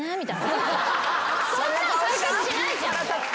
そんなん解決しないじゃん。